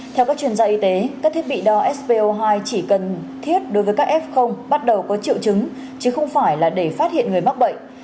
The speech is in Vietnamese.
theo các chuyên gia y tế các thiết bị đo sco hai chỉ cần thiết đối với các f bắt đầu có triệu chứng chứ không phải là để phát hiện người mắc bệnh